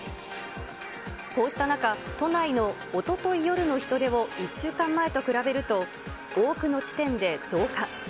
こうした中、都内のおととい夜の人出を１週間前と比べると、多くの地点で増加。